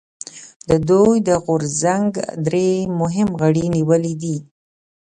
د دوی د غورځنګ درې مهم غړي نیولي دي